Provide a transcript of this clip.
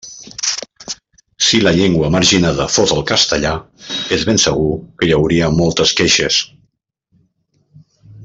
Si la llengua marginada fos el castellà, és ben segur que hi hauria moltes queixes.